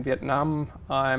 về các dự án